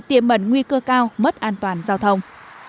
tiềm mẩn nguy cơ cao mất an toàn giao thông